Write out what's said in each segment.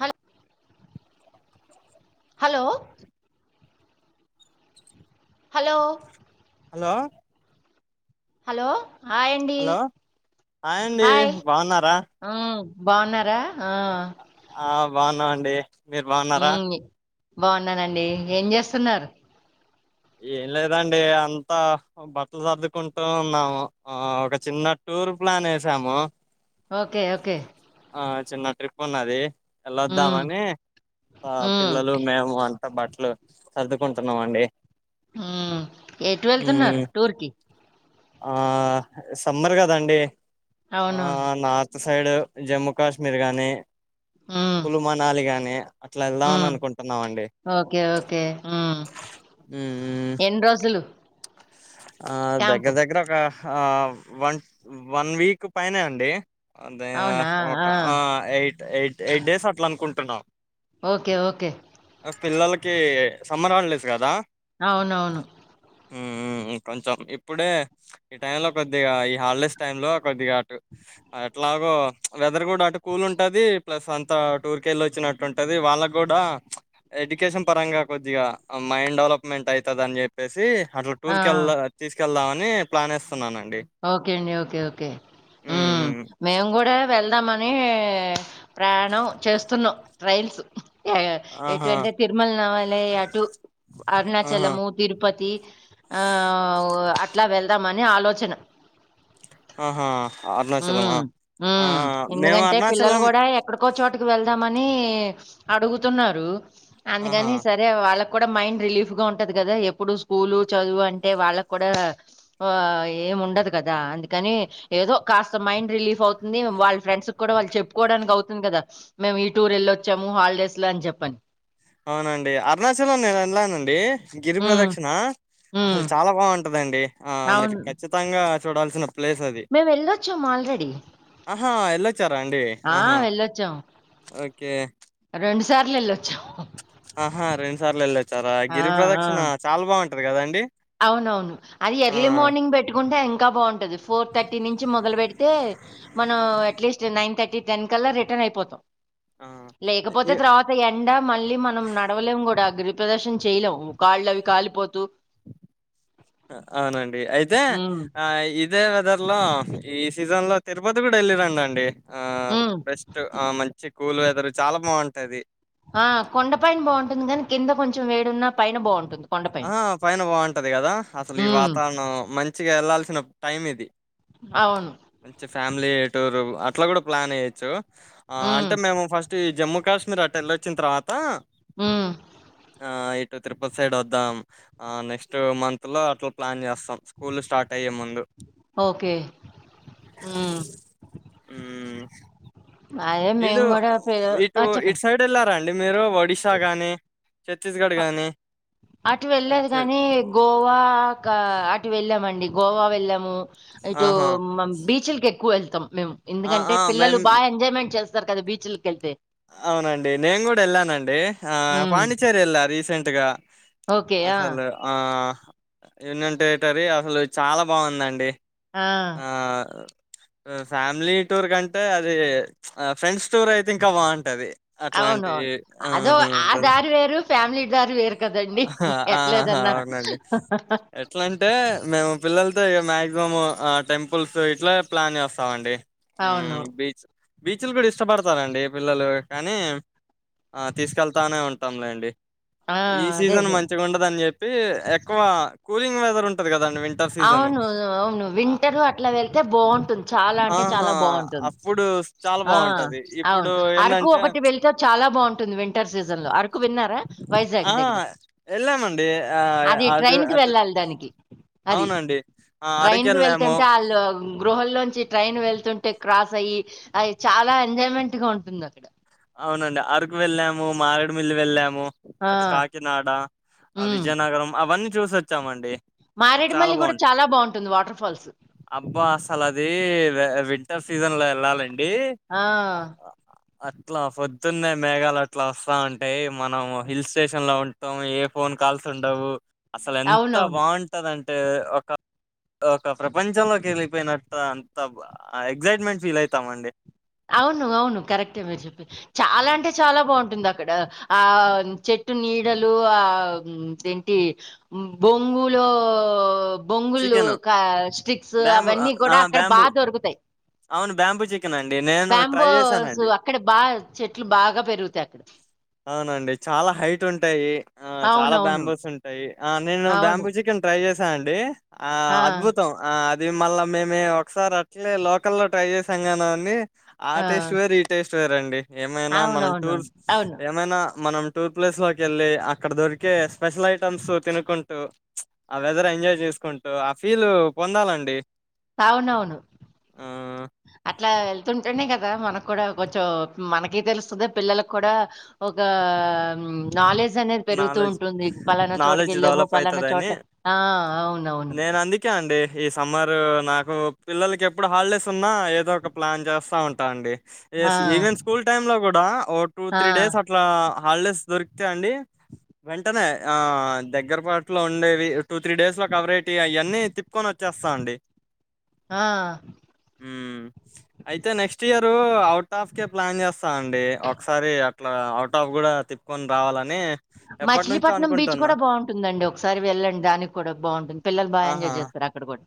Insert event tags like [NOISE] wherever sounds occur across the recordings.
Hello hello hello hello hello hi అండి hello అండి hi బాగున్నారా ఆ బాగున్నారా ఆ ఆ బాగున్నామ్ అండి మీరు బాగున్నారా ఉమ్ బాగున్నానండి ఏం జేస్తున్నారు ఏం లేదండి అంతా బట్టలు సర్దుకుంటూ ఉన్నాము ఆ ఒక చిన్నట్టు టూర్ ప్లాన్ వేశం ఓకే ఓకే ఆ చిన్న ట్రిప్ ఉన్నది ఉమ్ వెళ్ళొద్దామని ఆ ఉమ్ పిల్లలు మేము అ బట్టలు సర్దుకుంటున్నాము అండి మ్మ్ ఎటు మ్మ్ వెళ్తున్నారు టూర్ కి ఆ సమ్మర్ గదండి ఆ అవునవును నా ర్త్ సైడ్ జమ్మూ కాశ్మీర్ గాని ఉమ్ కులుమనాలీ గాని అట్లా వెళ్దామని ఉమ్ అనుకుంటున్నామండి ఓకే ఓకే ఉమ్ హ్మ్ ఎన్ని రోజులు ఆ క్యాంపు దగ్గర దగ్గర ఒక వన్ వన్ వీక్ పైనే అండి అదే అవునా ఒక ఆ ఎయిట్ ఎయిట్ ఎయిట్ డేస్ అట్లా అనుకుంటున్నాం ఓకే ఓకే పిల్లలకి సమ్మర్ హాలిడేస్ గదా అవునవును మ్మ్ మ్మ్ కొంచెం ఇప్పుడే ఈ టైం లో కొద్దిగా ఈ హాలిడేస్ టైం లో కొద్దిగా అటు అట్ల అగో వెదర్ గూడా అటు కూల్ ఉంటది ప్లస్ అంత టూర్ కెళ్ళి వచ్చినట్టు ఉంటది వాళ్ళకి గూడా ఎడ్యుకేషన్ పరంగా కొద్దిగా మైండ్ డెవలప్ మెంట్ అయితది అని చెప్పేసి అట్ల టూర్ కెళ్ ఆ తీసుకెళ్దామని ప్లాన్ యెస్తు ఓకే అండి ఓకే ఓకే హ్మ్ మేము గూడా వెళ్దామని అని ప్రయాణం చేస్తున్నాం ట్రైల్స్ ఆహా ఎటు అంటే తిరుమల నవాల అటు ఆహా అరుణాచలము తిరుపతి ఆ అట్లా వెళ్దామని ఆలోచన ఆహా మ్మ్ అరుణాచలమా ఆ మ్మ్ మేము ఎందుకంటే పిల్లలు అరుణాచలం కూడా ఎక్కడికో చోటుకి వెళ్దాం మని అడుగుతున్నారు ఆహా అందుకని సరే వాళ్ళ మైండ్ రిలీఫ్ గా ఉంటది కదా ఎప్పుడు స్కూల్ చదువు అంటే వాళ్ళకు కూడా ఆ ఏం ఉండదు కదా అందుకని ఏదో కాస్త మైండ్ రిలీఫ్ అవుతుంది వాళ్ళ ఫ్రెండ్స్ కు కూడా వాళ్ళు చెప్పుకోవడానికి అవుతుంది కదా మేము ఈ టూర్ వెళ్ళొచ్చాము హాలిడేస్ లో అని చెప్పని అవునండి అరుణాచలం నేను ఎలానండి గిరి హ్మ్. ప్రదక్షిణ హ్మ్. అసలు చాలా బాగుంటదండి ఆ మీరు ఖచ్చితంగా చూడాల్సిన ప్లేస్ అది మేము వెళ్ళొచ్చాము ఆల్రెడీ ఆ వెళొచ్చారా అండి ఆ! ఆహా వెళ్ళొచ్చాం. ఓకే సార్లేలో ఆహా రెండు సార్లు వెళ్ళొచ్చారా గిరి ప్ర్రదక్షిణ చాలా బాగుంటది కదా అండి అవును అవును అది ఎర్లీ మార్నింగ్ పెట్టుకుంటే ఇంకా బాగుంటంది ఫోర్ థర్టీ నుంచి మొదలు పెడితే మనం అట్లీస్ట్ నైన్ థర్టీ టెన్ కల్లా రిటర్న్ అయిపోతాం ఆ లేకపోతే తర్వాత ఎండ మళ్ళీ మనం నడవలేం కూడా ప్రదర్శన చేయలేం కాళ్ళ అవి కాలిపోతూ అవునండి అయితే హ్మ్. ఆ ఇదేద లో ఈ సీజన్ లో తిరుపతి కూడా వెళ్ళి రండి అండి ఆ హ్మ్. బెస్ట్ ఆ మంచి కూల్ వెదర్ చాలా బాగుంటాది ఆ కొండ పైన బాగుంటుంది కాని కింద కొంచెం వేడున్న పైన బాగుంటుంది ఆ పైన బాగుంటది కదా అసలు ఈ హ్మ్. వాతావరణం మంచిగా వెళ్లాల్సిన టైం ఇది అవును. మంచి ఫ్యామిలీ టూర్ అట్లా కూడా ప్లాన్ అయొచ్చు ఆ హ్మ్. అంటే మేము ఫస్ట్ ఈ జమ్మూ కాశ్మీర్ అట్ట వెళ్ళొచ్చిన తర్వాత మ్మ్ ఇటు త్రిపుల్ సైడ్ వద్దాం నెక్స్ట్ మంత్ లో అట్లా ప్లాన్ చేస్తా స్కూల్ స్టార్ట్ అయ్యే ముందు మ్మ్ హ్మ్. అదే ఇటు మేము కూడా పరు చెప్పండి మ మీరు ఒడిశా గాని ఛత్తీస్గఢ ఆ! గాని అటు వెళ్లేదు కానీ గోవా కా అటు వెళ్ళామండి గోవా వెళ్ళాము ఇటు ఆహా బీచ్ లకు ఎక్కువ వెల్లు మేము ఆ ఎందుకంటే ఆ మేం పిల్లలు బాగ ఎజాయ్మెంట్ చేస్తారు కదా బీచ్లకు వెళ్తే అవునండి నేను కూడా వెళ్ళానండి ఆ హ్మ్. పాండిచేరి వెళ్ళ రీసెంట్ గా ఓకే. ఆ! అసలు ఆ యూనియన్ టెరిటరీ అసలు చాలా బాగుందండి ఆ ఫ్యామిలీ టూర్ కంటే అది ఫ్రెండ్స్ టూర్ అయితే ఇంకా బాగుంటది అట్లాంటి అవునువును అదో ఆ దారు వేరు ఫ్యామిలీ దారు వేరు కదండీ. ఆహా ఎట్లేదన్నా. అవునండి ఎట్లాంటే మేము పిల్లలతో ఏం మాక్సిమమ్ ఆ టెంపుల్స్ ఇట్లా ప్లాన్ చేస్తామండి అవును మ్మ్ బీచ్ బీచ్లు కూడా ఇష్టపడతారండి పిల్లలు కానీ ఆ తీసుకెళ్తానే ఉంటాంలేండి ఆ! ఈ అదే సీజన్ అదే. మంచిగా ఉండదు అని చెప్పి ఎక్కువ కూలింగ్ వెదర్ ఉంటది కదా అవును అవును వింటరు అట్లా వెళ్తే బాగుంటుంది చాలా అంటే ఆహా చాలా బాగుంటుంది అప్పుడు చాలా ఆ బాగుంటది ఇప్పుడు అవును అరకు ఏందంటే ఒకటి వెళ్తే చాలా బాగుంటుంది వింటర్ సీజన్ లో అరకు విన్నారా వైజాగ్ ఆ దగ్గర వెళ్ళామండి ఆ అది అటు ట్రైన్ కి అటు వెళ్ళాలి దానికి అది అవునండి ఆ ట్రైన్ కు అరకెళ్ళాము వెళ్తుంటే అళ్ళు గృహల్లోంచి ట్రైన్ వెళ్తుంటే క్రాస్ అయ్యి అది చాలా ఎంజాయ్మెంట్ గా ఉంటుంది అక్కడ అవునండి అరకు వెళ్ళాము మారేడుమిల్లి వెళ్ళాము ఆ! అటు కాకినాడ ఆ హ్మ్. విజయనగరం అవన్నీ చూసొచ్చామండి చాలా మారేడుమల్లి గూడా బాగుంటారు చాలా బావుంటుంది వాటర్ ఫాల్స్. అబ్బా అసలు అది విం వింటర్ సీజన్ లో వెళ్ళాలండి ఆ! అం ఇట్లా పొద్దున్నే మేఘాలు అట్లా వస్తా అంటే మనం హిల్ స్టేషన్ లో ఉంటాం ఏ ఫోన్ కాల్స్ ఉండవు అసలు ఎంత అవునవును. బాగుంటది అంటే ఒక ఒక ప్రపంచంలోకి వెళ్ళిపోయినట్ అంత ఎగ్సైట్మెంట్ ఫీల్ అయితాం అండి అవును అవును కరెక్టే మీరు చెప్పి చాలా హ్మ్. అంటే చాలా బాగుంటుంది అ క్కడ ఆ చెట్టు నీడలు ఆ ఏంటి బొంగులో [INAUDIBLE] బొంగులు చికెను క స్టిక్స్ బ్యాంబు అవన్నీ ఆ గూడా అక్కడ బా బ్యాంబు దొరుకుతాయి. అవును బ్యాంబు బ్యాంబోస్ అక్కడ బాగా చెట్లు బాగా పెరుగుతాయి అక్కడ అవునండి చాలా హైట్ ఉంటాయి ఆ చాలా అవునవును. బాంబూస్ ఉంటాయి ఆ నేను అవును. బాంబో చికెన్ ట్రై చేసి అండి ఆ అద్భుతం ఆ అది మళ్ళా మేమే ఒకసారి అట్లే లోకల్ లో ట్రై చేసాం కానీ అండి ఆ టేస్ట్ వేర్ ఈ టేస్ట్ చూరండి ఏమైనా మనం అవునవును. టూర్స్ అవును. ఏమైనా మనం టూర్ ప్లేస్ లోకి వెళ్ళి అక్కడ దొరికే స్పెషల్ ఐటమ్స్ తినుకుంటూ ఆ వెదర్ ఎంజాయ్ చేసుకుంటూ ఆ ఫీల్ పొందాలండి అవునవును ఆ! అట్లా వెళ్తుంటేనే కదా కదా మనకు కూడా కొంచెం మనకి తెలుస్తుంది పిల్లలకు కూడా ఒక నాలెడ్జ్ జు అనేది పెరుగుతూ నాలెడ్జ్ ఉంటుంది పలానా చోటకి నాలెడ్జ్ వెళ్ళాము డెవలప్ పలానా చోట అయితదని ఆ అవునవును నేను అందుకే అండి ఈ సమ్మర్ నా కు పిల్లలకి ఎప్పుడు హాలిడేస్ ఉన్నా ఏదో ఒక ప్లాన్ చేస్తా ఉంటా అండి ఆ! ఎస్ ఈవెన్ స్కూల్ టైమ్ లో కూడా ఓ టూ ఆ! త్రీ డేస్ అట్లా హాలిడేస్ దొరికితే అండి [INAUDIBLE] వెంటనే ఆ దగ్గరపాటులో ఉండేవి టూ త్రీ డేస్ లో కవరయిట్ అయి అన్ని తిప్పుకొని వచ్చేస్తా సాండే ఆ ఉ అయితే నెక్స్ట్ ఇయరు అవుట్ ఆఫ్ కే ప్లాన్ చేస్తా అండి ఒకసారి అట్లా అవుట్ ఆఫ్ కూడా తిప్పుకొని రావాలని ఎప్పటినుంచో మచిలీపట్నం బీచ్ అనుకుంటున్నా. కూడా బాగుంటుందండి ఒకసారి వెళ్ళండి దానికి కూడా బాగుంటుంది పిల్లలు బాగా ఎంజాయ్ ఆహా! చేస్తారు అక్కడ కూడా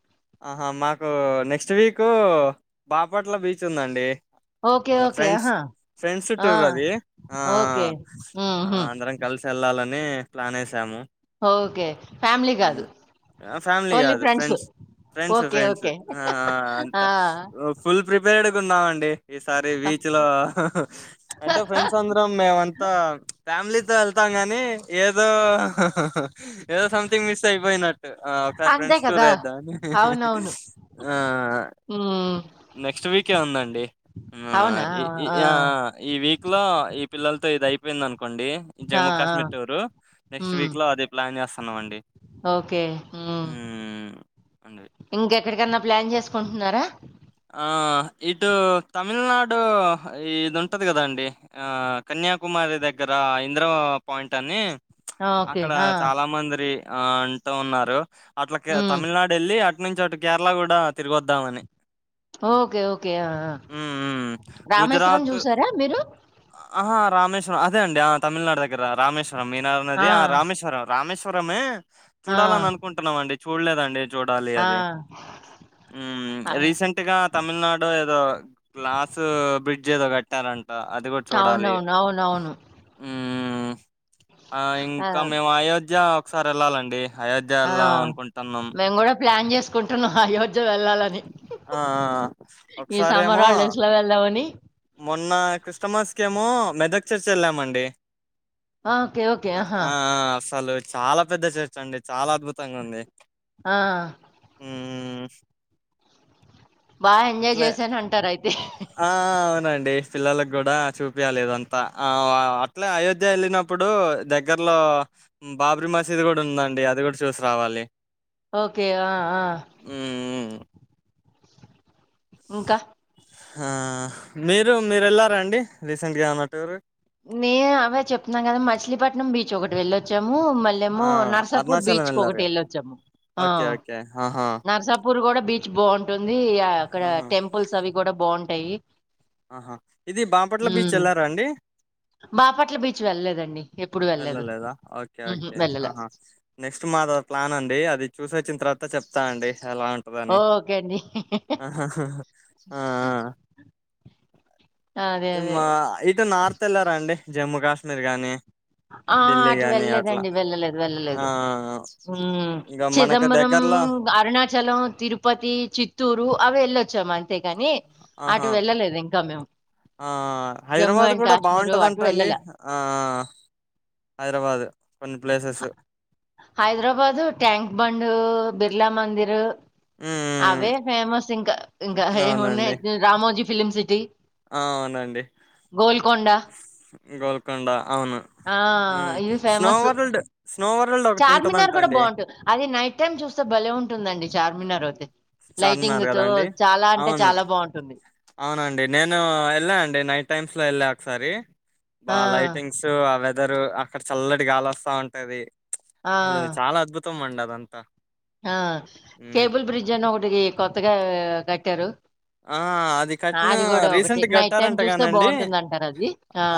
ఆహా మాకు నెక్స్ట్ వీకు బాపట్ల బీచ్ ఉందండి ఓకే ఆ, ఫ్రెండ్స్ ఓకేహా ఫ్రెండ్స్ టూర్ అది ఆ హుహు. అందరం కలిసి వెళ్ళాలని ప్లాన్ వేసాము ఓకే. ఫ్యామిలీ కాదు. ఫ్యామిలీ కాదు friends friends okay. Friends okay. అంత ఆ! ఫుల్ ప్రిపేర్డ్గా ఉన్నామండి ఈసారి బీచ్ లో అంటే ఫ్రెండ్స్ అందరం మేమంతా ఫ్యామిలీతో వెళ్తా గాని ఏదో ఏదో సంథింగ్ మిస్ అయిపోయినట్టు ఒకసారి అంతే ఫ్రెండ్స్ టూర్ కదా! వేద్దా అని అవునవును. ఆ హ్మ్. నెక్స్ట్ వీకే ఉందండి అవునా? ఆ ఈ వీక్ లో ఈ పిల్లలతో ఇది అయిపోయిందని అనుకోండి ఆ! జమ్మూ ఆ! కాశ్మీర్ టూరు నెక్స్ట్ హ్మ్. వీక్ లో అది ప్లాన్ చేస్తాన్నాం అండి ఓకే. హ్మ్. ఆ ఇంకెక్కడికన్నా ప్లాన్ చేసుకుంటున్నారా ఇటు తమిళనాడు ఇది ఉంటది కదా అండి కన్యాకుమారి దగ్గర ఇంద్ర పాయింట్ అని ఆ! ఓకే. అక్కడ ఆ! చాలా మంది ఆ అంటూ ఉన్నారు అట్లాకే హ్మ్. తమిళనాడు వెళ్ళి అంటే నుంచి కేరళ కూడా తిరిగొద్దామని ఓకే ఓకే హ్మ్. హ్మ్. రామేశ్వరం గుజరాత్ చూసారా మీరు ఆహా రామేశ్వరం అదే అండి ఆ తమిళనాడు దగ్గర రామేశ్వరం మీ నది ఆ రామేశ్వరం రామేశ్వరం ఆ! చూడాలని అనుకుంటున్నాం అండి చూడలేదండి చూడాలి ఆ! అది ఆ! రీసెంట్ గా తమిళనాడు ఏదో గ్లాస్ బ్రిడ్జ్ ఏదో కట్టారని అది కూడా చూడాలి అవునవును. అవునవును. ఆ! ఇంకా మేము అయోధ్య ఒకసారి వెళ్ళాలండి అయోధ్య ఆ! వెల్లాలి అనుకుంటున్నాం మేము గూడా ప్లాన్ చేసుకుంటున్నాం అయోధ్య కు వెళ్ళాలని ఆ! ఆ! ఆ! ఈ సంమ్మర్ ఒకసారేమో హాలిడేస్ లో వెళ్దామని మొన్న క్రిస్టమస్ కేమో మెదక్ చర్చి కి వెళ్ళామండి ఆ! ఓకే. ఓకే. ఆహా! ఆ అసలు చాలా పెద్ద చర్చి అండి చాలా అద్భుతంగా ఉంది ఆ! మ్మ్ హు బా ఎంజాయ్ అట్లే జేశానంటారయితే. ఆ ఆ అవునండి పిల్లలలకు కూడా చూపియ్యాలి ఇదంతా అట్లే అయోధ్య వెళ్ళినప్పుడు దగ్గరలో బాబ్రీ మసీద్ కూడా ఉందండి అది కూడా చూసి రావాలి ఓకే ఆ ఆ హ్మ్ ఇంకా ఆ మీరు మీరు వెళ్లారాండి రీసెంట్ గా టూరు నేను అవే చెప్తున్నా కదా మచిలీపట్నం బీచ్ ఒకటి వెళ్ళొచ్చాం మళ్ళేమో ఆ నర్సాపూర్ అరుణాచలం బీచ్ కు ఎళ్లారు ఒకటి గదా! వెళ్ళొచ్చాము ఆ ఓకే. ఓకే. ఆహా! నర్సాపుూర్ కూడా బీచ్ బాగుంటుంది అక్కడ ఆహా! టెంపుల్స్ అవి కూడా బాగుంటాయి ఆహా ఇది బాంపట్ల బీచ్ ఉమ్ వెళ్లారా అండి బాపట్ల బీచ్ వెళ్లలేదండి వెళ్ళలేదా ఓకే ఓకే వెళ్ళలే ఆహా నెక్స్ట్ మాదవ ప్లాన్ అండి అది చూసే కథ చెప్తా అండి ఎలా ఉంటుందని ఓకే అండి ఆ అదే అదే మా ఇటు నార్త్ వెళ్లారా అండి జమ్మూ కాశ్మీర్ గాని ఆ ఢిల్లీ అటు గాని అట్లా వెళ్ళలేదండి వెళ్ళలేదు ఆ వెళ్ళలేదు ఇంకా మనకు చిదంబరం దగ్గర్లో అరుణాచలం తిరుపతి చిత్తూరు అవి వెళ్ళొచ్చాము అంతేకాని అటు ఆహా వెళ్ళలేదు ఇంకా మేము ఆ జమ్మూ హైదరాబాద్ అండ్ కూడా కాశ్మీర్ అటు బాగుంటదింటా అండి వెళ్ళలే ఆ హైదరాబాద్ కొన్ని ప్లేసస్ హైదరాబాదు ట్యాంక్ బం బిర్లా మందిర్ హ్మ్ హ్మ్. అవే ఫేమస్ ఇంకా ఇకా అవునండి హ రామోజీ ఫిలిమ సిటీ ఆ అవునండి గోల్కొండ గోల్కండ అవును ఆ ఇవి స్నో ఫేమస్ వర్ల్డ్ స్నో వ చార్మినార్ కూడా బాగుంటుంది అది నైట్ టైమ్ చూస్తే భలే ఉంటుందండి చార్మినార్ అయితే లైటింగ్ చార్మినార్ తో కదండి చాలా అంటే అవును చాలా బాగుంటుంది అవునండి నేను వెళ్ళా అండి నైట్ టైమ్స్ లో ళ్ ఒకసారి బా ఆ లైటింగ్స్ ఆ వెదరు అక్కడ చల్లటి గాలి వస్తా ఉంటది ఆ అసలు చాలా అద్భుతం అండి అదంతా ఆ హ్మ్. కేబుల్ బ్రిడ్జ్ అనా ఒకటి కొత్తగా కట్టారు ఆ అది కట్టిన అది కూడా ఒకటి రీసెంట్ నైట్ టైమ్ చూస్తే కట్టారంటగానండి బాగుంటుంది అంటారు అది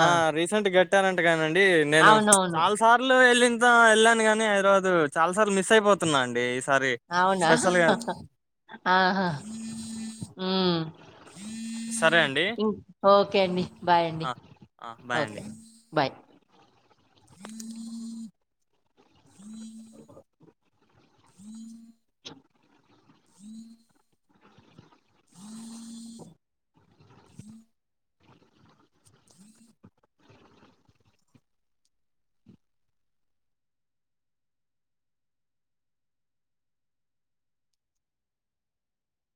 ఆ రీసెంట్ గట్టారంట కానిండి నేను అవునవును చాలా సార్లు వెళ్ళంతా వెళ్ళాను కాని దు చాల సార్ మ అయిపోతున్నా అండి ఈసారి అవునా స్పెషల్గా ఆ హ సరే అండి ఓకే అండి బాయ్ అండి బాయ్ ఓకే అండి బాయ్ ఈ హ